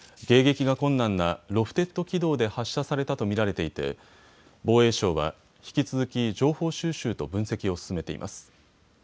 迎撃が困難なロフテッド軌道で発射されたと見られていて防衛省は引き続き情報収集と分析を進めています。